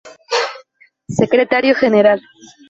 Secretario Genera!